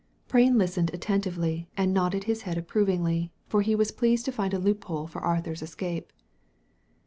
Prain listened attentively, and nodded his head approvingly, for he was pleased to find a loophole for Arthur's escape.